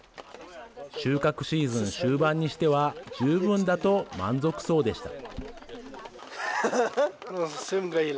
収穫シーズン終盤にしては十分だと満足そうでした。